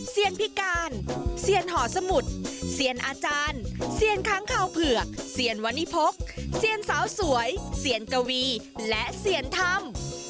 พิการเซียนหอสมุทรเซียนอาจารย์เซียนค้างคาวเผือกเซียนวันนี้พกเซียนสาวสวยเซียนกวีและเซียนธรรม